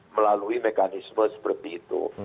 melalui mekanisme seperti itu